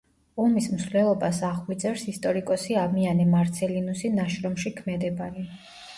ომის მსვლელობას აღგვიწერს ისტორიკოსი ამიანე მარცელინუსი ნაშრომში „ქმედებანი“.